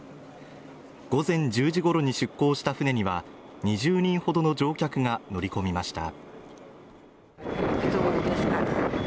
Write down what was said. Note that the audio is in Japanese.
午前１０時ごろに出港した船には２０人ほどの乗客が乗り込みました